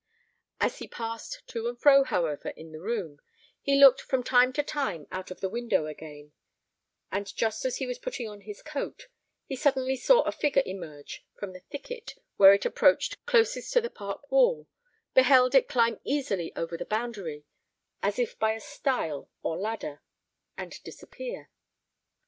As he passed to and fro, however, in the room, he looked from time to time out of the window again; and just as he was putting on his coat, he suddenly saw a figure emerge from the thicket where it approached closest to the park wall, beheld it climb easily over the boundary, as if by a stile or ladder, and disappear.